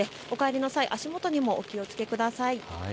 お帰りの際、足元にもお気をつけください。